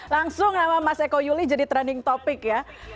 langsung nama mas eko yuli jadi trending topic ya